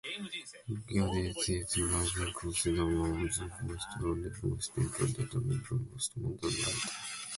Gaddis is widely considered one of the first and most important American postmodern writers.